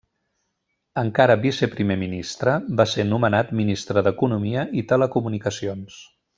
Encara viceprimer ministre, va ser nomenat ministre d'Economia i Telecomunicacions.